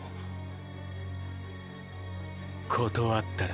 断ったら？